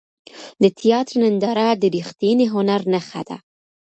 د تیاتر ننداره د ریښتیني هنر نښه ده.